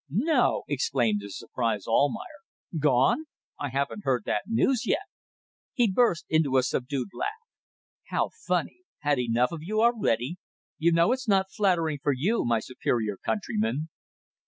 "No!" exclaimed the surprised Almayer. "Gone! I haven't heard that news yet." He burst into a subdued laugh. "How funny! Had enough of you already? You know it's not flattering for you, my superior countryman."